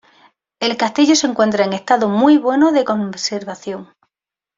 El castillo se encuentra en estado muy bueno de conservación.